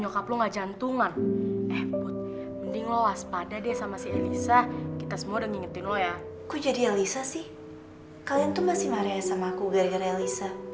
kalian tuh masih mariah sama aku gara gara elisa